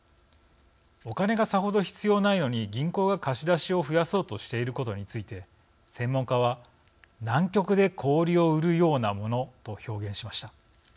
お金がさほど必要ないのに銀行が貸し出しを増やそうとしていることについて専門家は「南極で氷を売るようなもの」と表現しました。